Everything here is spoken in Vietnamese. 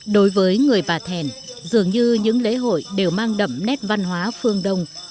đối với người bà thèn dường như những lễ hội đều mang đậm nét văn hóa phương đông